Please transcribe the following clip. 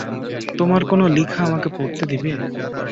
তোমার কোনো লিখা আমাকে পড়তে দিবে?